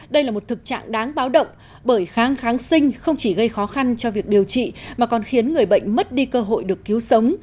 đây là một thực trạng đáng báo động bởi kháng kháng sinh không chỉ gây khó khăn cho việc điều trị mà còn khiến người bệnh mất đi cơ hội được cứu sống